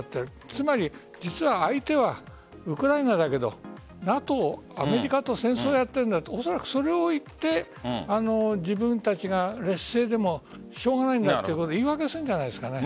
つまり相手はウクライナだけどＮＡＴＯ、アメリカと戦争をやっているんだおそらく、それを言って自分たちが劣勢でもしょうがないんだということを言い訳するんじゃないですかね。